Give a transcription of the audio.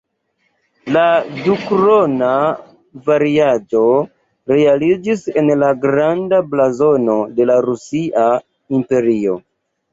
La "dukrona"-variaĵo realiĝis en la "Granda blazono de la Rusia Imperio".